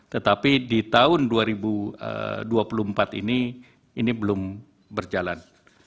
tetapi di tahun dua ribu dua puluh empat ini ini belum berjalan